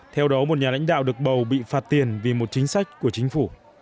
theo đó một nhà lãnh đạo được bầu bị phạt tiền vì một chính sách của chính phủ